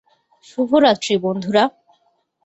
শুভ রাত্রি, বন্ধুরা।